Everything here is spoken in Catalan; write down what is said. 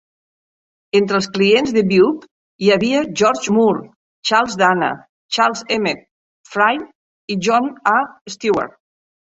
Entre els clients de Buek hi havia George Moore, Charles Dana, Charles M. Fry i John A. Stewart.